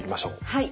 はい。